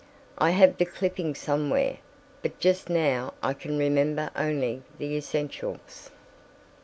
I have the clipping somewhere, but just now I can remember only the essentials.